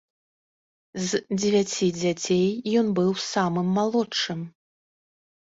З дзевяці дзяцей ён быў самым малодшым.